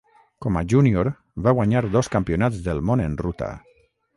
Com a júnior va guanyar dos Campionats del món en ruta.